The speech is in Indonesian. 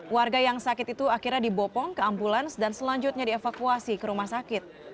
warga yang sakit itu akhirnya dibopong ke ambulans dan selanjutnya dievakuasi ke rumah sakit